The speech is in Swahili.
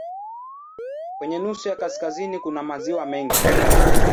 Kwenye nusu ya kaskazini kuna maziwa mengi.